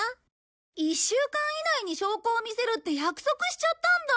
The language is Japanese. １週間以内に証拠を見せるって約束しちゃったんだ。